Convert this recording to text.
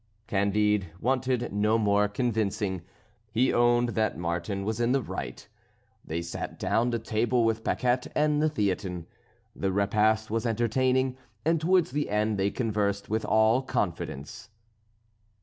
Candide wanted no more convincing; he owned that Martin was in the right. They sat down to table with Paquette and the Theatin; the repast was entertaining; and towards the end they conversed with all confidence.